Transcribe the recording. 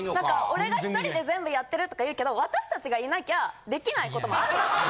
「俺が１人で全部やってる」とか言うけど私達がいなきゃできない事もあるんですよ。